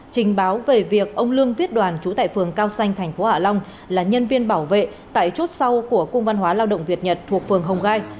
trình báo về việc ông lương viết đoàn chú tại phường cao xanh tp hạ long là nhân viên bảo vệ tại chốt sau của cung văn hóa lao động việt nhật thuộc phường hồng gai